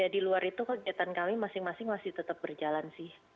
di luar itu kegiatan kami masing masing masih tetap berjalan sih